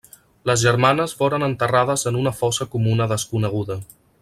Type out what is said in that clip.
Les germanes foren enterrades en una fossa comuna desconeguda.